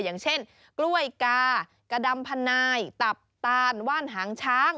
อย่างเช่นกล้วยกากระดำพนายตับตานว่านหางช้าง